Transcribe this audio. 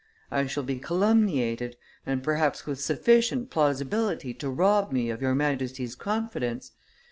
I shall be calumniated, and perhaps with sufficient plausibility to rob me of your Majesty's confidence.